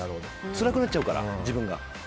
つらくなっちゃうから、自分が。